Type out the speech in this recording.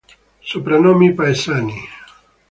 Soprannomi paesani.